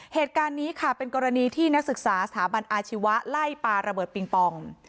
เหตุการณ์นี้ค่ะเป็นกรณีที่นักศึกษาสถาบันอาชีวะไล่ปลาระเบิดปิงปอง